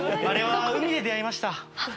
あれは海で出会いました。